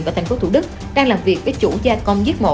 và thành phố thủ đức đang làm việc với chủ gia công giết mổ